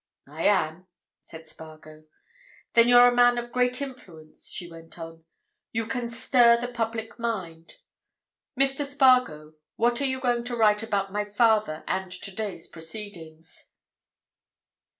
"I am," said Spargo. "Then you're a man of great influence," she went on. "You can stir the public mind. Mr. Spargo—what are you going to write about my father and today's proceedings?"